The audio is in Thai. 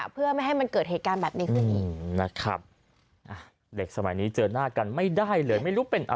เพื่อไม่ให้มันเกิดเหตุการณ์แบบนี้ขึ้น